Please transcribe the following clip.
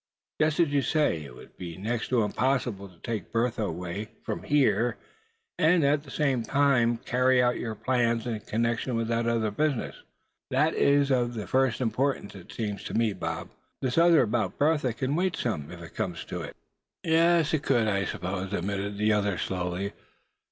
"Just as you say, it would be next to impossible to take Bertha away from here, and at the same time carry out your plans in connection with that other business. That is of the first importance, it seems to me, Bob. This other about Bertha can wait some, if it comes to it." "Yes, it could, I suppose," admitted the other, slowly.